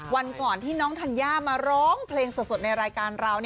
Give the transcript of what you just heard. วันก่อนที่น้องธัญญามาร้องเพลงสดในรายการเรา